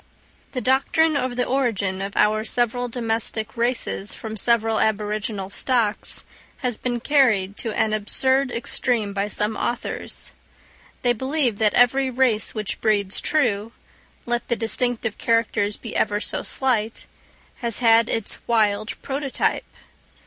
The doctrine of the origin of our several domestic races from several aboriginal stocks, has been carried to an absurd extreme by some authors. They believe that every race which breeds true, let the distinctive characters be ever so slight, has had its wild prototype.